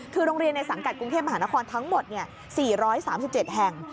คือโรงเรียนในสังกัดกรุงเทพมหานครทั้งหมด๔๓๗แห่ง